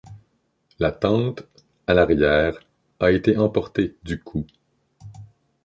La tente, à l’arrière, a été emportée du coup.